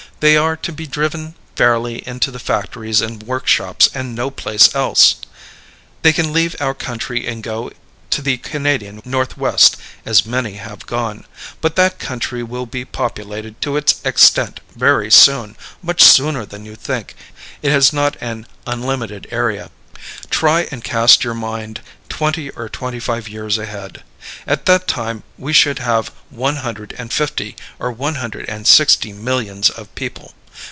They are to be driven fairly into the factories and workshops and no place else. They can leave our country and go to the Canadian Northwest, as many have gone. But that country will be populated to its extent very soon, much sooner than you think. It has not an unlimited area. Try and cast your mind twenty or twenty five years ahead. At that time we should have one hundred and fifty or one hundred and sixty millions of people.